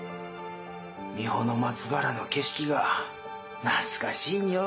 三保松原の景色が懐かしいのう。